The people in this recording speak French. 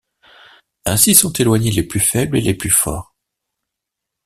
Ainsi sont éloignés les plus faibles et les plus forts.